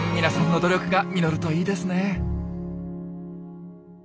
皆さんの努力が実るといいですね。